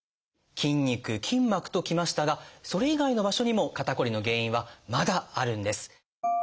「筋膜」ときましたがそれ以外の場所にも肩こりの原因はまだあるんです。